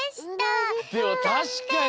でもたしかに。